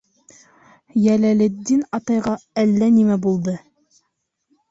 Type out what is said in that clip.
Йәләлетдин атайға әллә нимә булды...